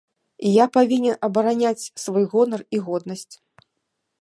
Я павінен абараняць свой гонар і годнасць!